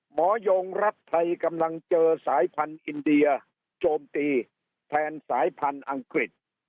หมอยงรัฐไทยกำลังเจอสายพันธุ์อินเดียโจมตีแทนสายพันธุ์อังกฤษ